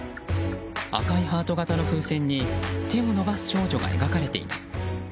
赤いハート形の風船に手を伸ばす少女が描かれています。